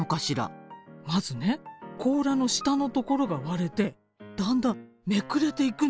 まずね甲羅の下のところが割れてだんだんめくれていくのよ。